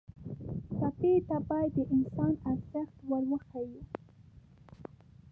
ټپي ته باید د انسان ارزښت ور وښیو.